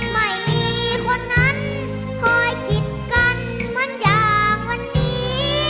ไม่มีคนนั้นคอยกิดกันเหมือนอย่างวันนี้